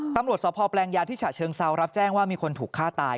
ตำรวจสพแปลงยาวที่ฉะเชิงเซารับแจ้งว่ามีคนถูกฆ่าตาย